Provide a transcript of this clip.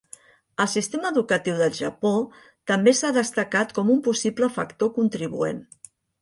El sistema educatiu del Japó també s'ha destacat com un possible factor contribuent.